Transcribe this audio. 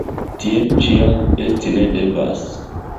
Tiel ĉiam esti ne devas!